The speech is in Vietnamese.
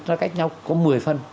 nó cách nhau có một mươi phân